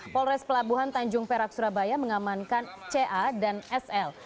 polres pelabuhan tanjung perak surabaya mengamankan ca dan sl